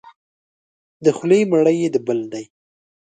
د خولې مړی یې د بل دی.